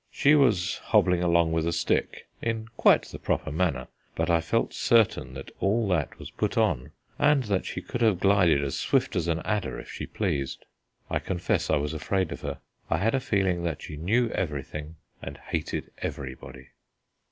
She was hobbling along with a stick, in quite the proper manner, but I felt certain that all that was put on, and that she could have glided as swift as an adder if she pleased. I confess I was afraid of her. I had a feeling that she knew everything and hated everybody.